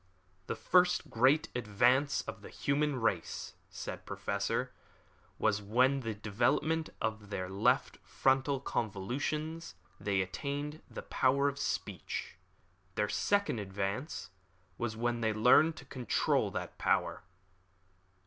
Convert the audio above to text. "The first great advance of the human race," said the Professor, "was when, by the development of their left frontal convolutions, they attained the power of speech. Their second advance was when they learned to control that power.